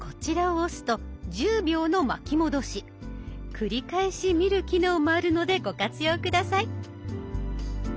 繰り返し見る機能もあるのでご活用下さい。